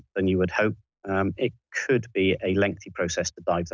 มันก็จะเริ่มเติมขึ้นในส่วนละเอียด